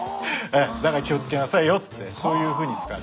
だから気をつけなさいよってそういうふうに使われてましたね。